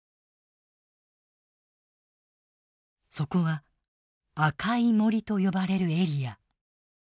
そこは「赤い森」と呼ばれるエリア。